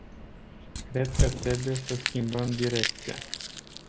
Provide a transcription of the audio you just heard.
Cred că trebuie să schimbăm direcția.